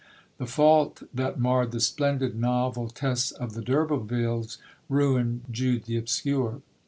The fault that marred the splendid novel Tess of the D'Urbervilles ruined Jude the Obscure.